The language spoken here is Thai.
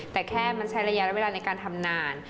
แต่แค่มันใช้ระยะเวลาในการทำนาน